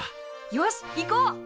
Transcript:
よし行こう！